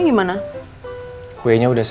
semua omongan papa